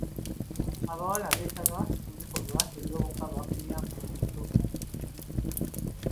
Abawala beetaba mu bikolwa by'obukaba ku myaka emito.